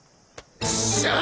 よっしゃ！